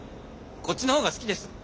こっちの方が好きです。